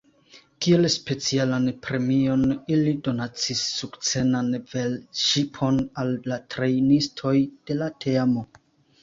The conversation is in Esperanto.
Kiel specialan premion ili donacis sukcenan velŝipon al la trejnistoj de la teamo.